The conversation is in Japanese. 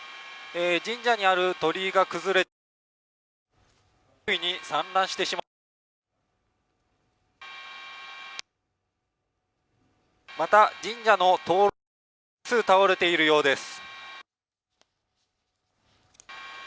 神社にある鳥居が崩れ、散乱してしまった、また神社の複数倒れているようです。